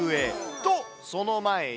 と、その前に。